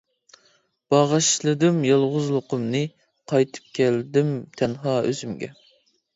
باغاشلىدىم يالغۇزلۇقۇمنى، قايتىپ كەلدىم تەنھا ئۆزۈمگە.